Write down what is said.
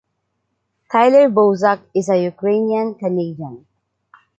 Tyler Bozak is a Ukrainian-Canadian.